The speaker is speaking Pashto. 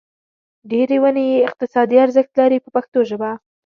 ډېرې ونې یې اقتصادي ارزښت لري په پښتو ژبه.